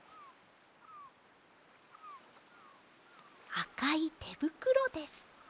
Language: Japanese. あかいてぶくろです。